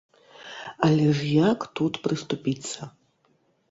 Але ж як тут прыступіцца.